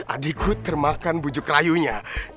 adikku termakan bujuk rayunya